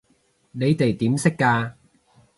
你哋點識㗎？